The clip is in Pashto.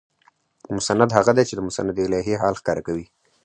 مسند هغه دئ، چي چي د مسندالیه حال ښکاره کوي.